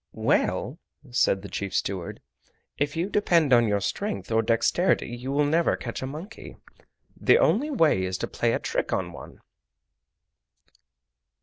"Well," said the chief steward, "if you depend on your strength or dexterity you will never catch a monkey. The only way is to play a trick on one!"